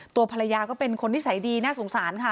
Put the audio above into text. ตัวภรรยาก็เป็นคนนิสัยดีน่าสงสารค่ะ